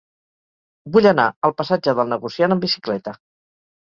Vull anar al passatge del Negociant amb bicicleta.